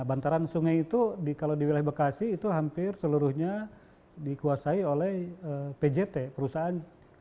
bantaran sungai itu kalau di wilayah bekasi itu hampir seluruhnya dikuasai oleh pjt perusahaan